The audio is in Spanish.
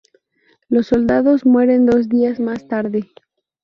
Los soldados mueren dos días más tarde.